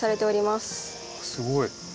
すごい。